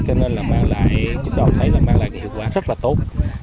cho nên là chúng tôi thấy mang lại hiệu quả rất là tốt